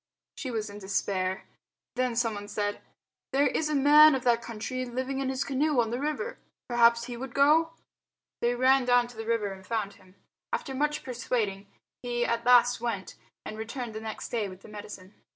She was in despair. Then someone said, "There is a man of that country living in his canoe on the river. Perhaps he would go?" They ran down to the river and found him. After much persuading he at last went, and returned next day with the medicine.